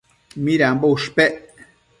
Midambo ushpec